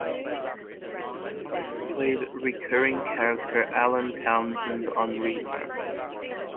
Thomas played recurring character Alan Townsend on "Reaper".